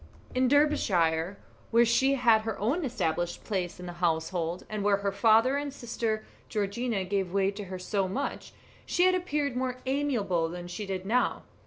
In Derbyshire, where she had her own established place in the household, and where her father and her sister Georgiana gave way to her so much, she had appeared more amiable than she did now.